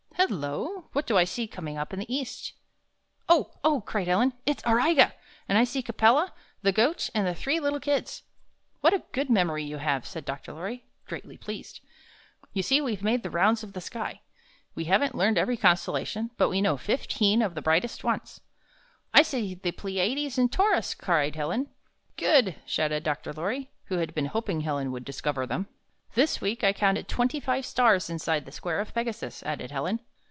''Hello! what do I see coming up in the east?" "Oh, oh!" cried Helen, "it's Auriga! And I see Capella, the Goat, and the three little Kids." "What a good memory you have!" said Dr. Lorry, greatly pleased. "You see we've made the rounds of the sky. We haven't learned every constellation, but we know fifteen of the brightest ones." "I see the Pleiades and Taurus!" cried Helen. "Good!" shouted Dr. Lorry, who had been hoping Helen would discover them. "This week I counted twenty five stars in side the Square of Pegasus," added Helen.